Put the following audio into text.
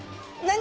何？